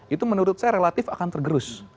itu menurut saya relatif akan tergerus